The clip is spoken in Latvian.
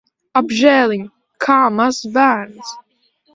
Apžēliņ! Kā mazs bērns.